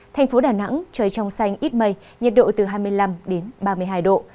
thành phố đà nẵng trời trong xanh ít mây nhiệt độ từ hai mươi năm đến ba mươi hai độ